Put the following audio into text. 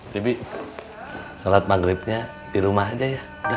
tibi sholat maghribnya di rumah aja ya